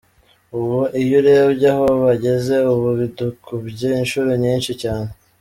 Ubu iyo urebye aho bageze ubu bidukubye inshuro nyinshi cyane.